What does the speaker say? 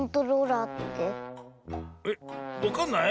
えっわかんない？